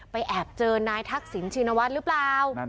แอบเจอนายทักษิณชินวัฒน์หรือเปล่า